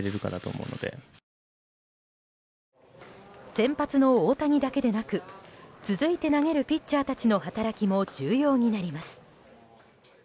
先発の大谷だけでなく続いて投げるピッチャーたちの働きも、重要になります。